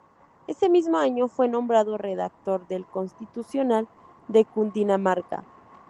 En ese mismo año fue nombrado redactor del Constitucional de Cundinamarca.